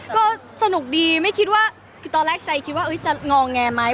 ก็สนุกดีไม่คิดว่าคือตอนแรกใจคิดว่าจะงอแงไหม